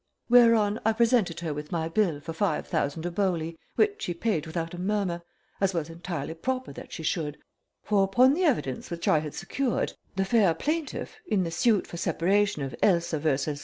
Whereon I presented her with my bill for 5000 oboli, which she paid without a murmur, as was entirely proper that she should, for upon the evidence which I had secured the fair plaintiff, in the suit for separation of Elsa vs.